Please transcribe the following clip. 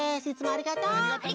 ありがとう！